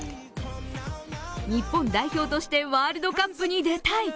日本代表としてワールドカップに出たい。